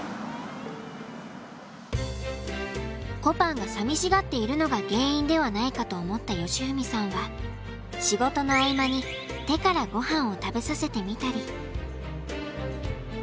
こぱんが寂しがっているのが原因ではないかと思った喜史さんは仕事の合間に手からごはんを食べさせてみたり。